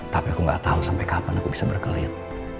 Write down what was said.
tapi aku gak tahu sampai kapan aku bisa berkelit